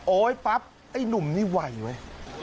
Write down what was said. ปั๊บไอ้หนุ่มนี่ไวเว้ย